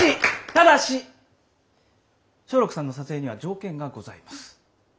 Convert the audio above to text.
ただし松緑さんの撮影には条件がございます。